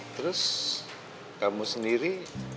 terus kamu sendiri